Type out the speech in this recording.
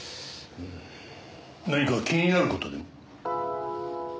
何か気になる事でも？